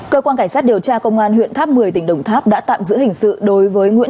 cơ quan cảnh sát điều tra công an huyện tháp một mươi tỉnh đồng tháp đã tạm giữ hình sự đối với nguyễn